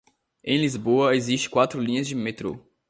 Em Lisboa, existem quatro linhas de metro.